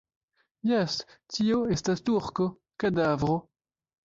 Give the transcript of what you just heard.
Jes, tio estas turko, kadavro.